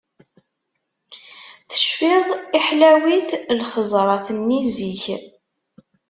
Tefciḍ i ḥlawit lxeẓrat-nni zik?!